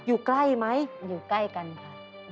อยู่ใกล้ไหมอยู่ใกล้กันค่ะ